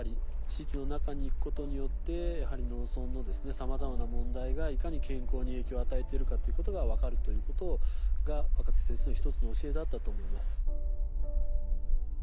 地域の中に行くことによってやはり農村のさまざまな問題がいかに健康に影響を与えているかということが分かるということが若月先生の一つの教えだったと思います。